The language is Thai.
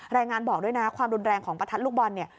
รายงานบอกด้วยนะความรุนแรงของประทัดลูกบอลเนี่ย